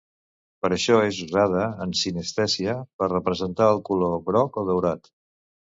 Per això és usada, en sinestèsia, per representar el color groc o daurat.